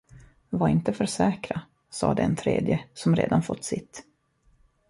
Var inte för säkra, sade en tredje, som redan fått sitt.